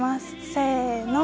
せの。